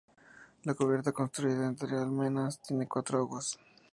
La cubierta, construida entre almenas, tiene cuatro aguas.